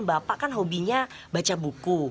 bapak kan hobinya baca buku